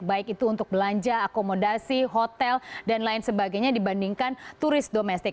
baik itu untuk belanja akomodasi hotel dan lain sebagainya dibandingkan turis domestik